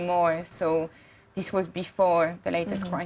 jadi ini sebelum krisis terbaru